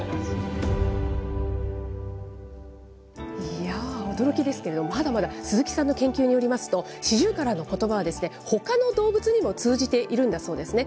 いやー、驚きですけど、まだまだ鈴木さんの研究によりますと、シジュウカラのことばは、ほかの動物にも通じているんだそうですね。